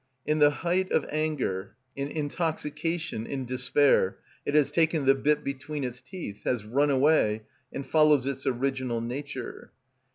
In the height of anger, in intoxication, in despair, it has taken the bit between its teeth, has run away, and follows its original nature.